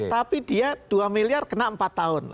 tapi dia dua miliar kena empat tahun